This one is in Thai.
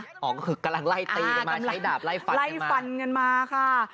อ๋อก็คือกำลังไล่ตีกันมาใช้ดาบไล่ฟันกันมา